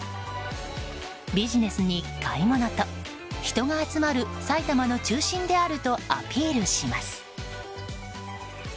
ビジネスに買い物と人が集まる埼玉の中心であるとアピールします。